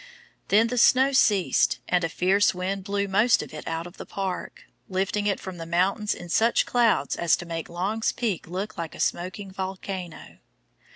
Then the snow ceased, and a fierce wind blew most of it out of the park, lifting it from the mountains in such clouds as to make Long's Peak look like a smoking volcano.